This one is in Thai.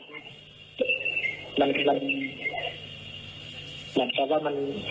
ก็ต้องกลับมาเจอตายแล้วก็ช่วยด้วยครับ